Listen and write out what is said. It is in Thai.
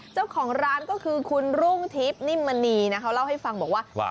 เจ้าของร้านก็คือคุณรุ่งทิพย์นิ่มมณีนะเขาเล่าให้ฟังบอกว่า